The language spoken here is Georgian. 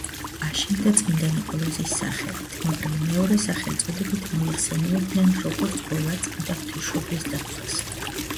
აშენდა წმინდა ნიკოლოზის სახელით, მაგრამ მეორე სახელწოდებით მოიხსენიებდნენ როგორც „ყოვლადწმინდა ღვთისმშობლის დაცვას“.